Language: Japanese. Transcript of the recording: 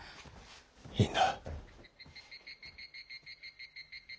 いいんだ。